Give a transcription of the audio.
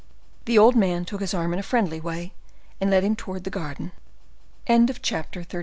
The old man took his arm in a friendly way, and led him towards the garden. Chapter XXXV.